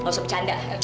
tidak usah bercanda